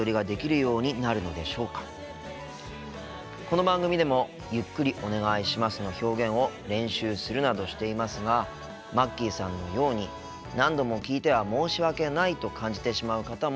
この番組でも「ゆっくりお願いします」の表現を練習するなどしていますがまっきーさんのように何度も聞いては申し訳ないと感じてしまう方もいらっしゃいますよね。